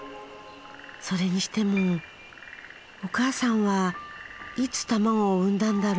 それにしてもお母さんはいつ卵を産んだんだろう？